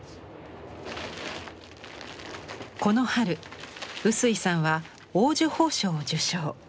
この春臼井さんは黄綬褒章を受章。